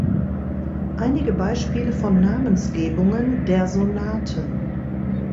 Einige Beispiele von Namensgebungen der Sonaten.